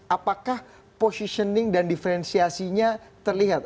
apakah positioning dan diferensiasinya terlihat